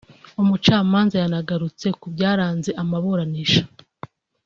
Umucamanza yanagarutse ku byaranze amaburanisha